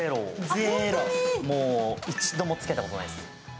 一度もつけたことがないです